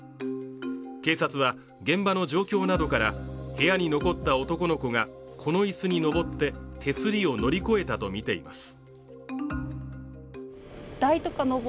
警察は、現場の状況などから、部屋に残った男の子がこの椅子に上って手すりを乗り越えたとみています。